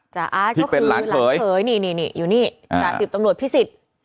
จ๋าอั๊ดก็คือหลังเผยนี่นี่นี่อยู่นี่จ๋าสิบตำรวจพิสิทธิ์